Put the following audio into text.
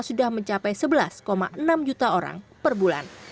sudah mencapai sebelas enam juta orang per bulan